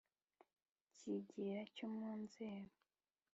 Kigirira cyo mu nzeru,